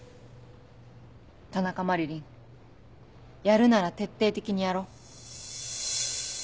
田中麻理鈴やるなら徹底的にやろう！